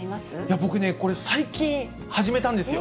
僕ね、これ、最近始めたんですよ。